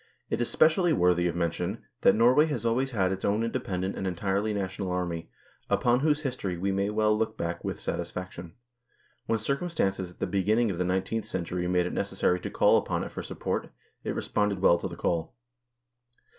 It is specially worthy of mention, that Norway has always had its own independent and entirely national army, upon whose history we may well look back with satisfaction ; when circumstances at the beginning of the nine teenth century made it necessary to call upon it for support, it responded well to the call.